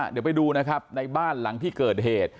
เดี๋ยวไปดูนะครับในบ้านหลังที่เกิดเหตุ